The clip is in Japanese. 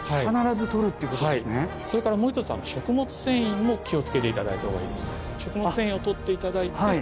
それからもう１つ食物繊維も気を付けていただいたほうがいい食物繊維を取っていただいて。